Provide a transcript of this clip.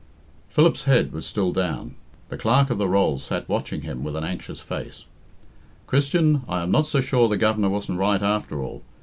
Philip's head was still down. The Clerk of the Rolls sat watching him with an anxious face. "Christian, I am not so sure the Governor wasn't right after all.